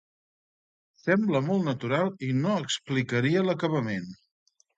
Sembla molt natural i no explicaria l'acabament.